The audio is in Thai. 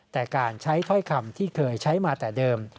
แต่การใช้ถ้อยคำที่เคยใช้มาแต่เดิม